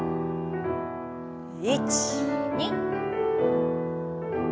１２。